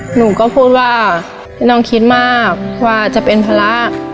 หนูก็พูดว่าน้องคิดมากกว่าจะเป็นภาระ